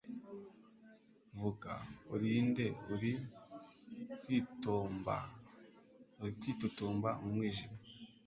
Vuga, uri nde uri kwitotomba mu mwijima?